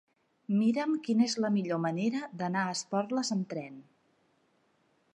Mira'm quina és la millor manera d'anar a Esporles amb tren.